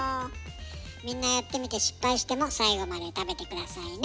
みんなやってみて失敗しても最後まで食べて下さいね。